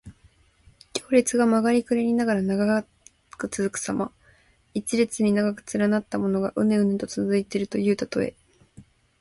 行列が曲がりくねりながら長く続くさま。一列に長く連なったものが、うねうねと続いているというたとえ。